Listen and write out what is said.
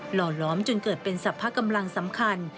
ห่อล้อมจนเกิดเป็นสรรพกำลังสำคัญ